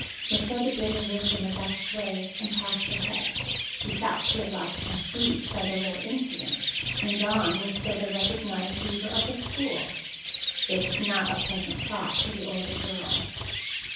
Matilda bit her lip in a vexed way and tossed her head. She felt she had lost prestige by the little incident, and Dawn was still the recognized leader of the school. It was not a pleasant thought to the older girl.